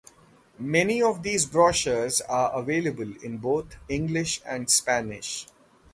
Many of these brochures are available in both English and Spanish.